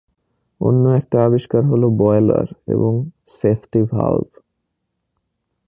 অন্য একটা আবিষ্কার হল "বয়লার" এবং "সেফটি ভালভ"।